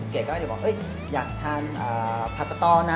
เกรกก็จะบอกอยากทานผัดสตรนะ